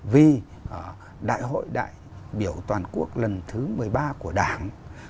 vì đại hội đại biểu toàn quốc lần thứ một mươi ba của đảng